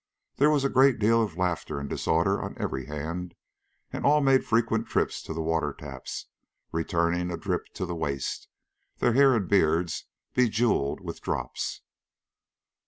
There was a great deal of laughter and disorder on every hand, and all made frequent trips to the water taps, returning adrip to the waist, their hair and beards bejewelled with drops.